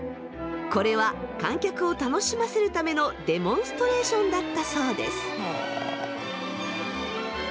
これは観客を楽しませるためのデモンストレーションだったそうです。